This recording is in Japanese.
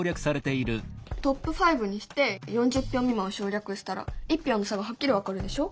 トップ５にして４０票未満は省略したら１票の差がはっきり分かるでしょ？